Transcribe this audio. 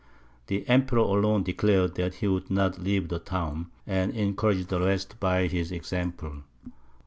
The Emperor alone declared that he would not leave the town, and encouraged the rest by his example.